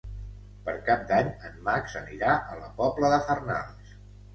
Per Cap d'Any en Max anirà a la Pobla de Farnals.